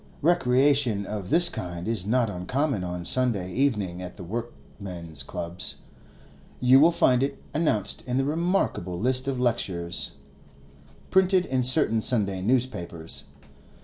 Recreation of this kind is not uncommon on Sunday evening at the workmen's clubs; you will find it announced in the remarkable list of lectures, &c., printed in certain Sunday newspapers.